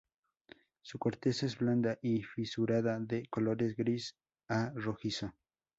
Su corteza es blanda y fisurada, de colores gris a rojizo.